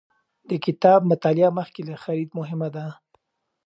د کتاب مطالعه مخکې له خرید مهمه ده.